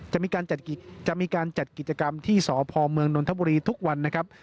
จะมีการจัดกิจกรรมที่สพเมืองนนทบุรีทุกวันนะครับ